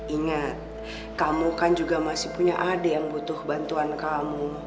ingat kamu kan juga masih punya adik yang butuh bantuan kamu